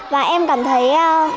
và em cảm thấy quá